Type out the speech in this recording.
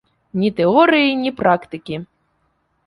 Ні тэорыі, ні практыкі.